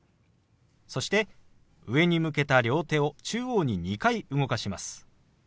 そして上に向けた両手を中央に２回動かします。